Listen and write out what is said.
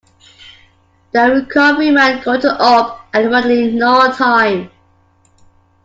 The recovery man got it up and running in no time.